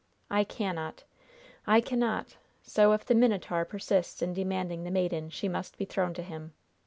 I cannot! I cannot! So if the Minotaur persists in demanding the maiden, she must be thrown to him.